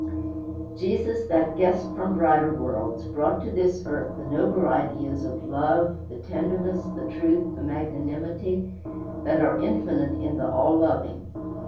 Jesus, that guest from brighter worlds, brought to this earth the nobler ideas of love, the tenderness, the truth, the magnanimity, that are infinite in the All Loving.